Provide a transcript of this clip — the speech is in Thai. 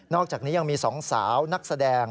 อกจากนี้ยังมี๒สาวนักแสดง